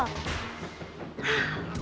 tapi gak bisa secara frontal